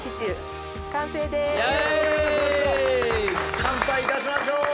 乾杯いたしましょう！